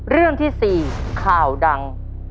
เรื่องที่๔ข่าวดัง